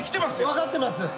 分かってます。